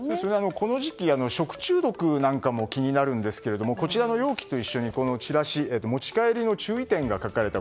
この時期食中毒なんかも気になるんですがこちらの容器と一緒に持ち帰りの注意点が書かれた